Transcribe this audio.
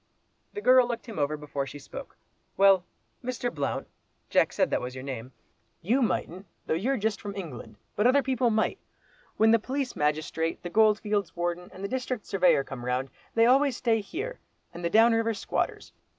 The girl looked him over before she spoke. "Well, Mr. Blount (Jack said that was your name), you mightn't, though you're just from England, but other people might. When the police magistrate, the Goldfields Warden, and the District Surveyor come round, they always stay here, and the down river squatters.